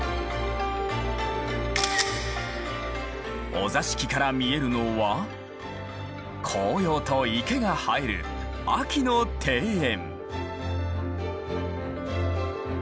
お座敷から見えるのは紅葉と池が映える秋の庭園。